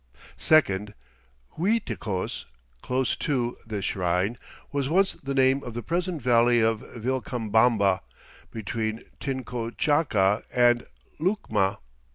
Second, Uiticos, "close to" this shrine, was once the name of the present valley of Vilcabamba between Tincochaca and Lucma.